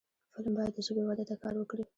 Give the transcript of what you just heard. فلم باید د ژبې وده ته کار وکړي